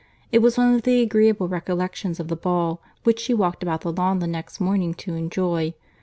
It was one of the agreeable recollections of the ball, which she walked about the lawn the next morning to enjoy.